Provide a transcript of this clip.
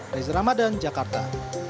raih zeramadan jakarta